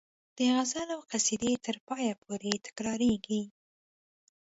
د غزل او قصیدې تر پایه پورې تکراریږي.